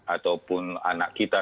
ataupun anak kita